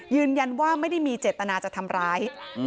ยืนยันว่าไม่ได้มีเจตนาจะทำร้าย